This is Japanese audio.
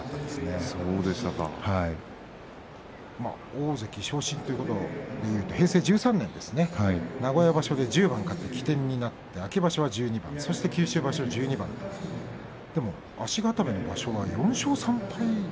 大関昇進ということでいえば平成１３年名古屋場所で１０番勝って起点になった秋場所１２番九州場所１２番足固めの場所は４勝３敗